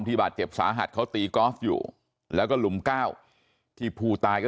บาดเจ็บสาหัสเขาตีกอล์ฟอยู่แล้วก็หลุม๙ที่ผู้ตายก็